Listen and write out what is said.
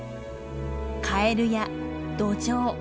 カエルやドジョウ